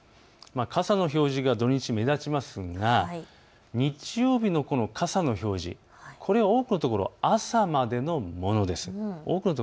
傘の表示が土日目立ちますが日曜日のこの傘の表示、多くのところ、朝までのものです。